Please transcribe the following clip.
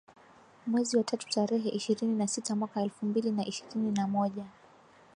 mwezi wa tatu tarehe ishirini na sita mwaka elfu mbili na ishirini na moja